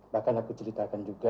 bahkan aku ceritakan juga